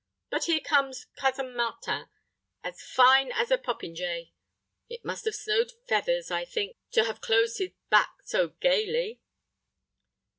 But here comes Cousin Martin, as fine as a popinjay. It must have snowed feathers, I think, to have clothed his back so gayly."